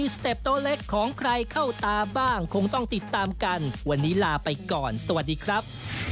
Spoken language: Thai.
สวัสดีครับ